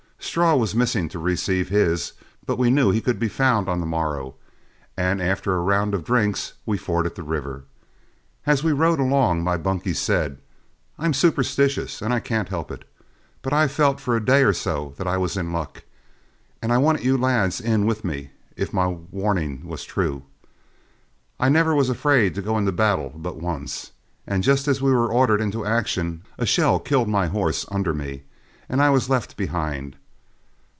Straw was missing to receive his, but we knew he could be found on the morrow, and after a round of drinks, we forded the river. As we rode along, my bunkie said, "I'm superstitious, and I can't help it. But I've felt for a day or so that I was in luck, and I wanted you lads in with me if my warning was true. I never was afraid to go into battle but once, and just as we were ordered into action, a shell killed my horse under me and I was left behind.